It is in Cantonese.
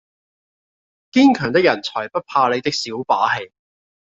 堅強的人才不怕你的小把戲！